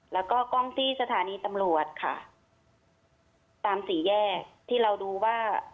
แล้วก็กล้องที่สถานีตำรวจค่ะตามสี่แยกที่เราดูว่า